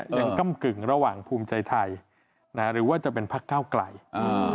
กำกึ่งระหว่างภูมิใจไทยนะหรือว่าจะเป็นพักเก้าไกลอ่า